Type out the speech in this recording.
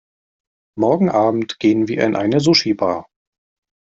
Morgenabend gehen wir in eine Sushibar.